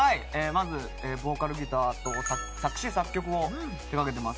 まずボーカルギターと作詞作曲を手掛けてます